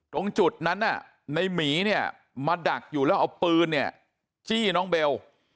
ตรงจุดนั้นในหมีเนี่ยมาดักอยู่แล้วเอาปืนเนี่ยจี้น้องเบล